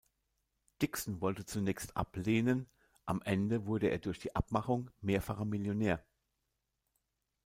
Dixon wollte zunächst ablehnen, am Ende wurde er durch die Abmachung mehrfacher Millionär.